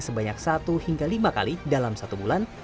sebanyak satu hingga lima kali dalam satu bulan